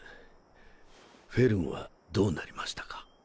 フェルンはどうなりましたか？